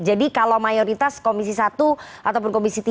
jadi kalau mayoritas komisi satu ataupun komisi tiga